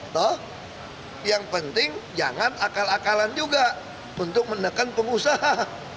toh yang penting jangan akal akalan juga untuk menekan pengusaha